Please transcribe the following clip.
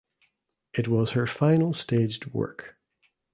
It was her final staged work.